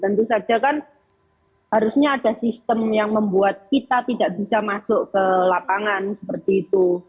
tentu saja kan harusnya ada sistem yang membuat kita tidak bisa masuk ke lapangan seperti itu